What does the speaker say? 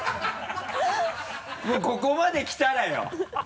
もうここまで来たらよ。